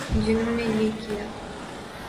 جنہوں نے یہ کیا۔